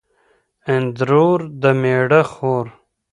اندرور د مېړه خور